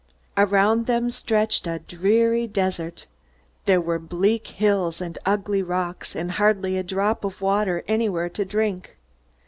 Around them stretched a dreary desert. There were bleak hills, and ugly rocks, and hardly a drop of water anywhere to drink.